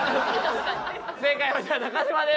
正解はじゃあ中島です。